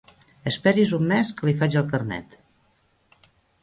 Esperi's un mes que li faig el carnet.